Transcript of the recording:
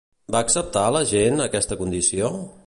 Va acceptar la gent aquesta condició?